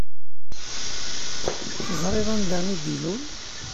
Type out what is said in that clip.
Teẓṛiḍ anda i d-ilul?